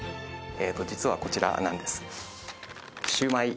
実はこちらなんです